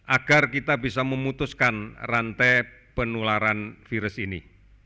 agar kita bisa memutuskan rantai penularan virus ini